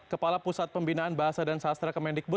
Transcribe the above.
kepala pusat pembinaan bahasa dan sastra kemendikbud